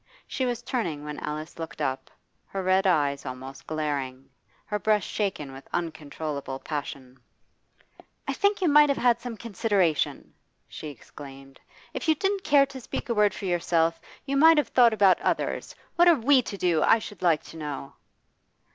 She was turning when Alice looked up, her red eyes almost glaring, her breast shaken with uncontrollable passion. 'I think you might have had some consideration,' she exclaimed. 'If you didn't care to speak a word for yourself, you might have thought about others. What are we to do, I. should like to know?